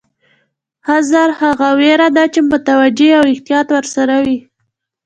حذر هغه وېره ده چې متوجه یې او احتیاط ورسره وي.